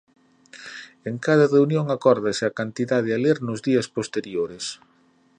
En cada reunión acórdase a cantidade a ler nos días posteriores.